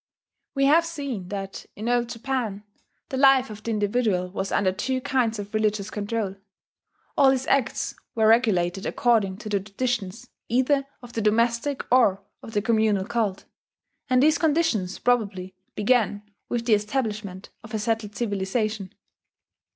We have seen that, in Old Japan, the life of the individual was under two kinds of religious control. All his acts were regulated according to the traditions either of the domestic or of the communal cult; and these conditions probably began with the establishment of a settled civilization.